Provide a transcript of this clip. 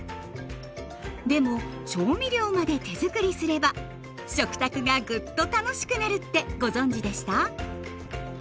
でも調味料まで手づくりすれば食卓がグッと楽しくなるってご存じでした？